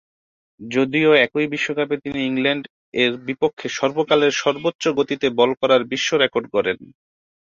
যদিও একই বিশ্বকাপে তিনি ইংল্যান্ড এর বিপক্ষে সর্বকালের সর্বোচ্চ গতিতে বল করার বিশ্ব রেকর্ড গড়েন।